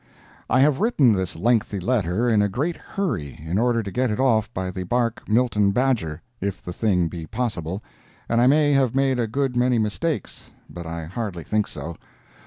I have written this lengthy letter in a great hurry in order to get it off by the bark Milton Badger, if the thing be possible, and I may have made a good many mistakes, but I hardly think so.